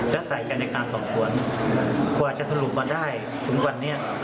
และใส่กันในการสอบสวนกว่าจะสรุปมาได้ถึงวันนี้